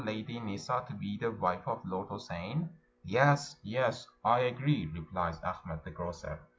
Lady Nissa, to be the wife of Lord Houssein?" "Yes, yes, I agree," replies Achmet the grocer.